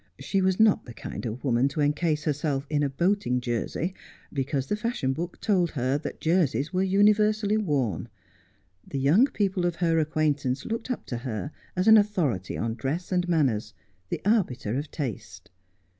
She was not the kind of woman to encase herself in a boating Jersey because the fashion book told her that Jerseys were universally worn. The young people of her acquaintance looked up to her as an authority on dress and manners, the arbiter of taste.